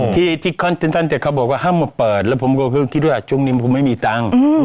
ที่คอนเตนทันเขาบอกว่าห้ามมาเปิดแล้วผมก็คิดว่าจงนี้มันไม่มีตังค์